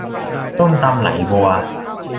ส้มตำไหลบัว